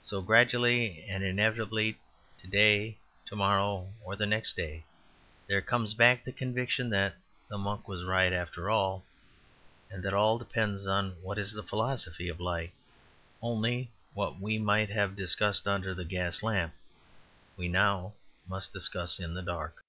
So, gradually and inevitably, to day, to morrow, or the next day, there comes back the conviction that the monk was right after all, and that all depends on what is the philosophy of Light. Only what we might have discussed under the gas lamp, we now must discuss in the dark.